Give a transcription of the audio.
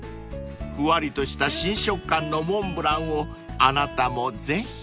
［ふわりとした新食感のモンブランをあなたもぜひ］